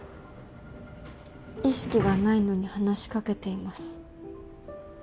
意識がないのに話しかけています。